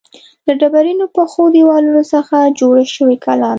له ډبرینو پخو دیوالونو څخه جوړه شوې کلا ده.